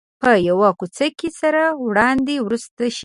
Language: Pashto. په یوه کوڅه کې سره وړاندې ورسته شي.